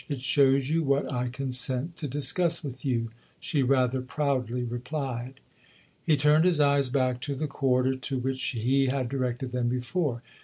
" It shows you what I consent to discuss with you," she rather proudly replied. He turned his eyes back to the quarter to which he had directed them before.